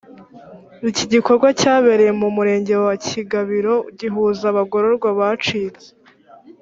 iki gikorwa cyabereye mu murenge wa kigabiro gihuza abagororwa abacitse